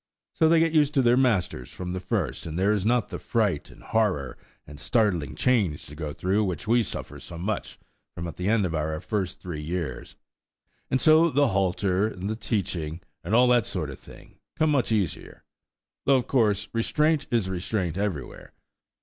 So they get used to their masters from the first, and there is not the fright and horror and startling change to go through which we suffer so much from at the end of our first three years; and so the halter, and teaching, and all that sort of thing, come much easier–though, of course, restraint is restraint everywhere.